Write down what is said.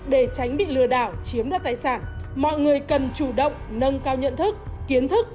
để tránh bị lừa đảo chiếm đoạt tài sản mọi người cần chủ động nâng cao nhận thức kiến thức